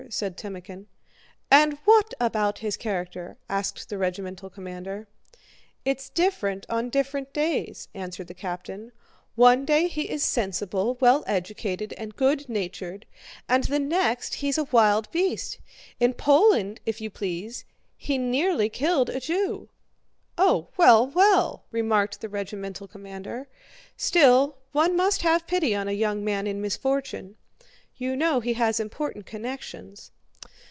said Timókhin. "And what about his character?" asked the regimental commander. "It's different on different days," answered the captain. "One day he is sensible, well educated, and good natured, and the next he's a wild beast.... In Poland, if you please, he nearly killed a Jew." "Oh, well, well!" remarked the regimental commander. "Still, one must have pity on a young man in misfortune. You know he has important connections...